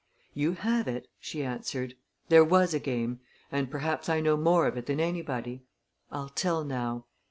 "You have it," she answered. "There was a game and perhaps I know more of it than anybody. I'll tell now.